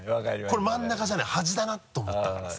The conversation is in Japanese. これ真ん中じゃない端だなと思ったからさ。